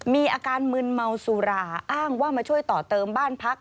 มีอาการมึนเมาสุราอ้างว่ามาช่วยต่อเติมบ้านพัก